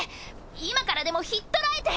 今からでも引っ捕らえて。